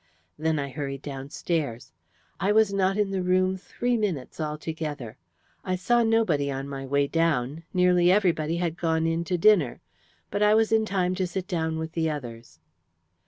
Then I hurried downstairs. I was not in the room three minutes altogether. I saw nobody on my way down; nearly everybody had gone in to dinner, but I was in time to sit down with the others.